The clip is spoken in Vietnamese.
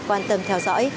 quan tâm theo dõi